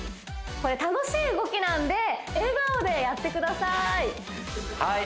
これ楽しい動きなんで笑顔でやってくださいはい！